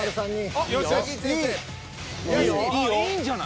あっいいんじゃない？